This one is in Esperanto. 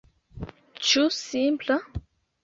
Ĉu simpla?